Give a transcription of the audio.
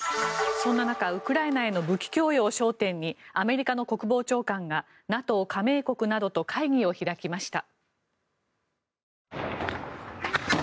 そんな中ウクライナへの武器供与を焦点にアメリカの国防長官がＮＡＴＯ加盟国などと会議を開きました。